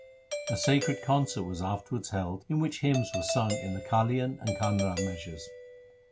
A sacred concert was afterwards held in which hymns were sung in the Kalian and Kanra measures.